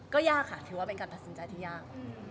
ก็ยากค่ะถือว่าเป็นการตัดสินใจที่ยาก